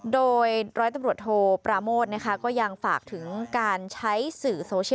โดยร้อยตำรวจโทปราโมทนะคะก็ยังฝากถึงการใช้สื่อโซเชียล